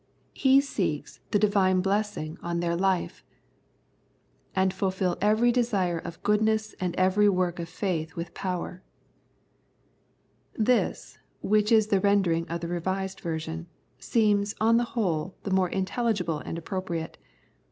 He seeks the Divine Blessing on their life : 32 Approbation and Blessing " And fulfil every desire of goodness and everv work of faith with power." This, which is the rendering of the R.V., seems, on the whole, the more intelligible and appropriate.